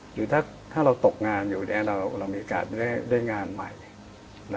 หรือถ้าเราตกงานอยู่เรามีโอกาสได้งานใหม่